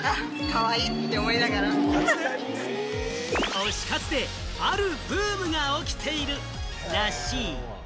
推し活であるブームが起きているらしい。